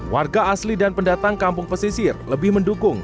warga asli dan pendatang kampung pesisir lebih mendukung